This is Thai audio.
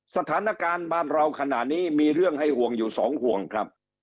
สถานการณ์บ้านเราขณะนี้มีเรื่องให้ห่วงอยู่สองห่วงครับ